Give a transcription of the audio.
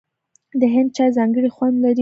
د هند چای ځانګړی خوند لري.